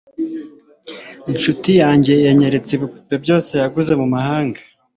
inshuti yanjye yanyeretse ibipupe byose yaguze mumahanga